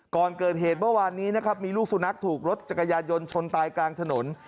ก่อนเกิดเหตุเมื่อวานนี้นะครับมีลูกสุนัขถูกรถจักรยานยนต์ชนตายกลางถนน